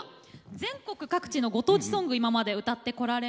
全国各地のご当地ソング今まで歌ってこられました。